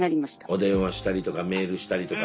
お電話したりとかメールしたりとか。